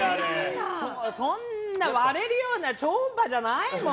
そんな割れるような超音波じゃないもん。